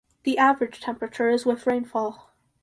The average temperature is with rainfall.